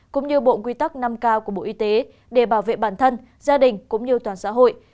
cũng như bộ quy tắc năm cao của bộ y tế để bảo vệ bản thân gia đình cũng như toàn xã hội